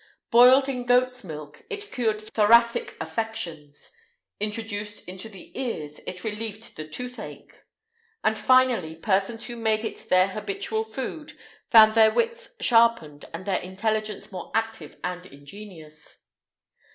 [IX 209] Boiled in goat's milk, it cured thoracic affections;[IX 210] introduced into the ears, it relieved the toothache:[IX 211] and finally, persons who made it their habitual food found their wits sharpened and their intelligence more active and ingenious.